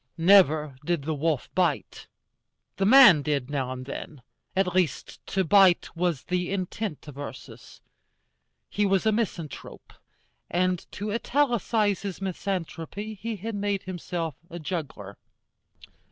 Never did the wolf bite: the man did now and then. At least, to bite was the intent of Ursus. He was a misanthrope, and to italicize his misanthropy he had made himself a juggler.